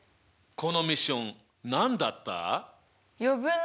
このミッション何だった？